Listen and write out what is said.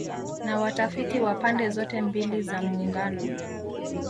na watafiti wa pande zote mbili za Muungano